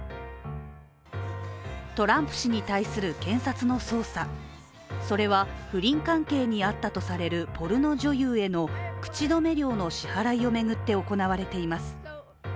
トランプ氏に対する検察の捜査、それは不倫関係にあったとされるポルノ女優への口止め料の支払いを巡って行われています。